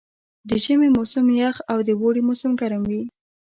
د ژمي موسم یخ او د اوړي موسم ګرم وي.